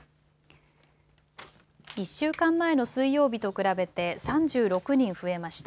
１週間前の水曜日と比べて３６人増えました。